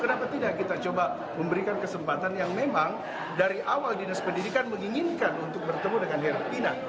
kenapa tidak kita coba memberikan kesempatan yang memang dari awal dinas pendidikan menginginkan untuk bertemu dengan herapina